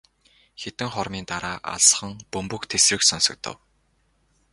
Хэдэн хормын дараа алсхан бөмбөг тэсрэх сонсогдов.